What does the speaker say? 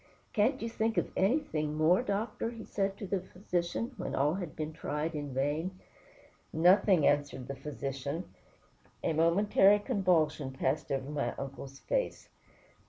"Can't you think of anything more, doctor?" said he to the physician, when all had been tried in vain. "Nothing," answered the physician. A momentary convulsion passed over my uncle's face.